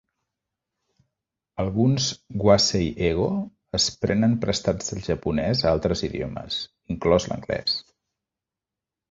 Alguns "wasei-Eigo" es prenen prestats del japonès a altres idiomes, inclòs l'anglès.